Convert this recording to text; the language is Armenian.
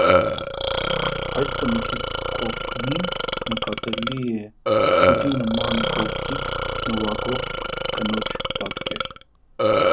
Այդ կնիքի կողմին նկատելի է ուտի նման գործիք նուագող կնոջ պատկեր։